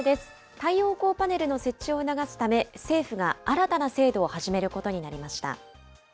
太陽光パネルの設置を促すため、政府が新たな制度を始めることになりました。